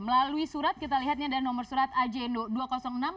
melalui surat kita lihatnya ada nomor surat ajn dua ratus enam satu satu phb